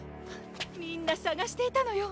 みんな捜していたのよ！